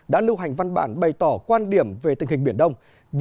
đã lưu hành văn bản bày tỏ quan điểm về tình hình biển đông